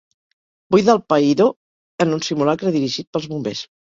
Buidar el païdor en un simulacre dirigit pels bombers.